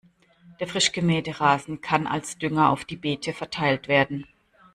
Der frisch gemähte Rasen kann als Dünger auf die Beete verteilt werden.